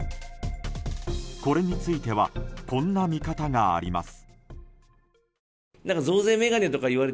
これについてはこんな見方があります。